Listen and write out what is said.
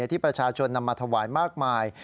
ที่ประชาชนนำมาถวายมากมาย